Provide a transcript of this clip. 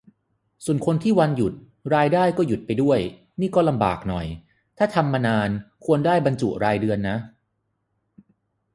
ส่วนคนที่วันหยุดรายได้ก็หยุดไปด้วยนี่ก็ลำบากหน่อย ถ้าทำมานานควรได้บรรจุรายเดือนนะ